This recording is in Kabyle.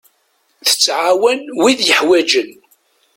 Tettɛawan wid yeḥwaǧen.